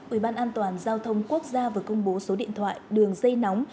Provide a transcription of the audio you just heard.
ủy ban an toàn giao thông quốc gia vừa công bố số điện thoại đường dây nóng